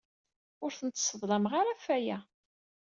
Ur tent-sseḍlameɣ ara ɣef waya.